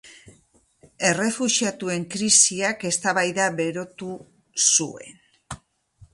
Errefuxiatuen krisiak eztabaida berotu zuen.